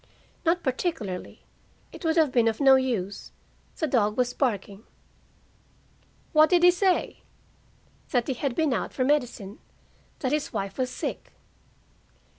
"Not particularly. It would have been of no use. The dog was barking." "What did he say?" "That he had been out for medicine. That his wife was sick."